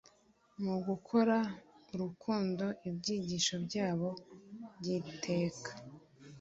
Mugukora urukundo ibyigisho byabo byiteka